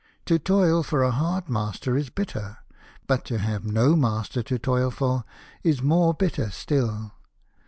To toil for a hard master is bitter, but to have no master to toil for is more bitter still.